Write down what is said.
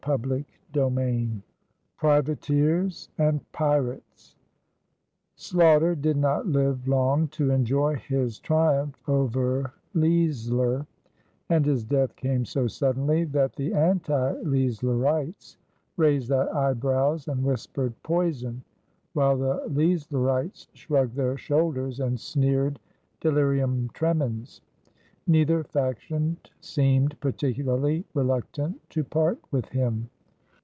CHAPTER X PRIVATEERS AND PIRATES Sloughter did not live long to enjoy his triumph over Leisler, and his death came so suddenly that the anti Leislerites raised their eyebrows and whispered "poison," while the Leislerites shrugged their shoulders and sneered "delirium tremens." Neither faction seemed particularly reluctant to part with him.